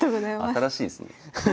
新しいですね。